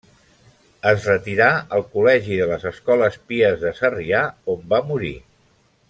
Es retirà al col·legi de les Escoles Pies de Sarrià on va morir.